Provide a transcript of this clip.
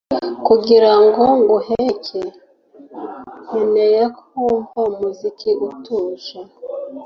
Kugirango nduhuke nkeneye kumva umuziki utuje